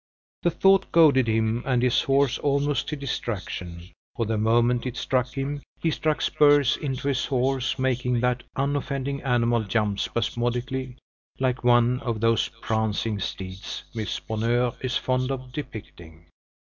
The thought goaded him and his horse almost to distraction; for the moment it struck him, he struck spurs into his horse, making that unoffending animal jump spasmodically, like one of those prancing steeds Miss Bonheur is fond of depicting.